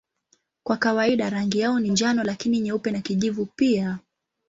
Kwa kawaida rangi yao ni njano lakini nyeupe na kijivu pia.